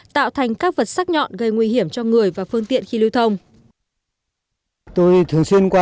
tạo thành các vật sắc nhọn gây nguy hiểm cho người và phương tiện khi lưu thông